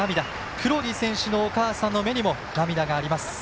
黒木選手のお母さんの目にも涙があります。